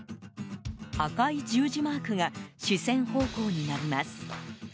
赤い十字マークが視線方向になります。